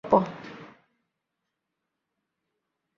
এই ওর প্রাপ্য!